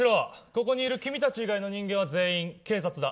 ここにいる君たち以外の人間は全員、警察だ。